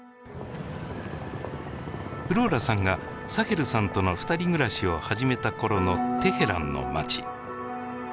フローラさんがサヘルさんとの二人暮らしを始めた頃のテヘランの街。